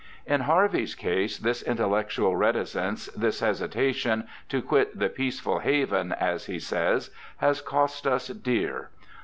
In Harv^ey's case this intellectual reticence, this hesita tion ' to quit the peaceful haven', as he says, has cost us dear.